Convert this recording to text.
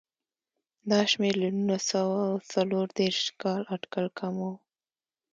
دا شمېر له نولس سوه څلور دېرش کال اټکل کم و.